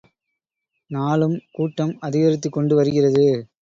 நாளும் கூட்டம் அதிகரித்துக் கொண்டு வருகிறது.